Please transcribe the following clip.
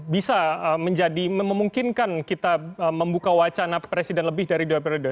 bisa menjadi memungkinkan kita membuka wacana presiden lebih dari dua periode